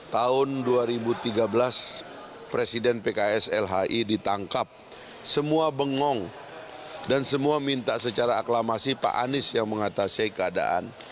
tahun dua ribu tiga belas presiden pks lhi ditangkap semua bengong dan semua minta secara aklamasi pak anies yang mengatasi keadaan